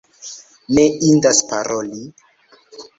Ne indas paroli.